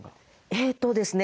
えっとですね